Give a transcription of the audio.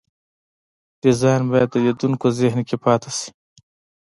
ډیزاین باید د لیدونکو ذهن کې پاتې شي.